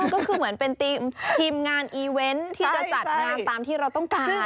ก็คือเหมือนเป็นทีมงานอีเวนต์ที่จะจัดงานตามที่เราต้องการ